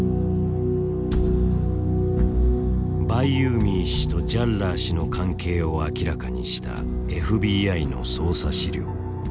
バイユーミー氏とジャッラー氏の関係を明らかにしたＦＢＩの捜査資料。